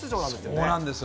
そうなんですよ。